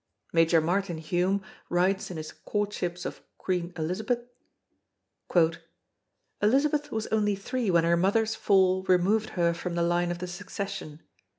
Major Martin Hume writes in his Courtships of Queen Elizabeth: "Elizabeth was only three when her mother's fall removed her from the line of the succession....